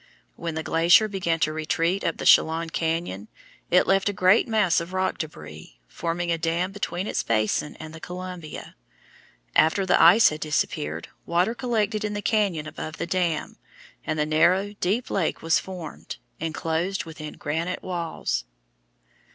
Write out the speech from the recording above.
When the glacier began to retreat up the Chelan cañon, it left a great mass of rock débris, forming a dam between its basin and the Columbia. After the ice had disappeared, water collected in the cañon above the dam, and the narrow, deep lake was formed, enclosed within granite walls.